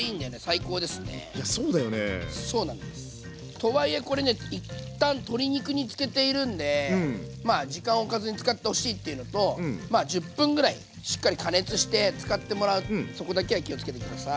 とはいえこれね一旦鶏肉につけているんでまあ時間おかずに使ってほしいっていうのと１０分ぐらいしっかり加熱して使ってもらうそこだけは気をつけて下さい。